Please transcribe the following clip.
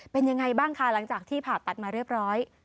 เป็นยังไงบ้างคะหลังจากที่ผ่าตัดมาเรียบร้อย